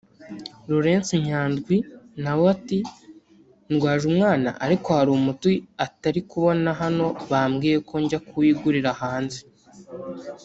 Laurence Nyandwi na we ati “Ndwaje umwana ariko hari umuti atari kubona hano bambwiye ko njya kuwigurira hanze